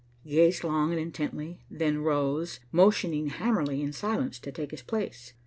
He gazed long and intently, then rose, motioning Hamerly in silence to take his place.